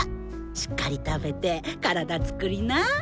しっかり食べて体つくりな。